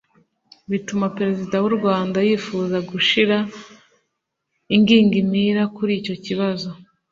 bituma perezida w'u rwanda yifuza gushira ingingimira kuri icyo kibazo.